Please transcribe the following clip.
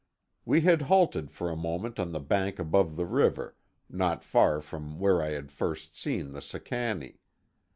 We had halted for a moment on the bank above the river, not far from where I had first seen the Sicannie.